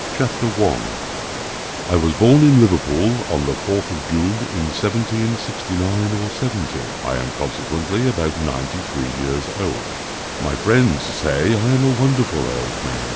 CHAPTER I. I was born in Liverpool, on the 4th of June in 1769 or '70. I am consequently about ninety three years old. My friends say I am a wonderful old man.